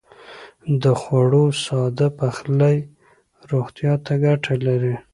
د خوړو ساده پخلی روغتيا ته ګټه لري.